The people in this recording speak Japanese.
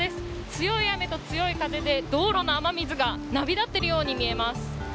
強い雨と強い風で道路の雨水が波立っているように見えます。